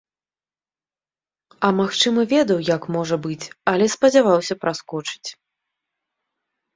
А магчыма, ведаў, як можа быць, але спадзяваўся праскочыць.